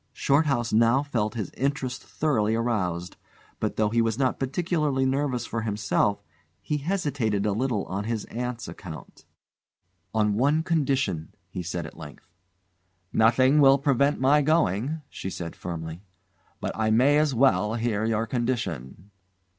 Shorthouse now felt his interest thoroughly aroused; but, though he was not particularly nervous for himself, he hesitated a little on his aunt's account. "On one condition," he said at length. "Nothing will prevent my going," she said firmly; "but I may as well hear your condition."